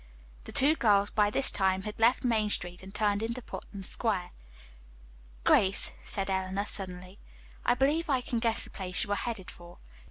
The two girls by this time had left Main Street and turned into Putnam Square. "Grace," said Eleanor suddenly. "I believe I can guess the place you are headed for.